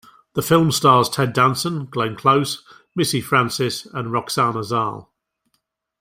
The film stars Ted Danson, Glenn Close, Missy Francis, and Roxana Zal.